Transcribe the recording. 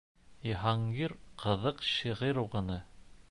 Йыһангир ҡыҙыҡ шиғыр уҡыны.